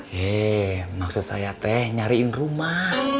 hei maksud saya teh nyariin rumah